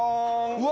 うわ！